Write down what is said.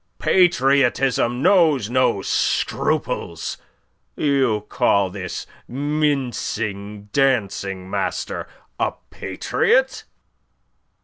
Patriotism knows no scruples. You call this mincing dancing master a patriot?"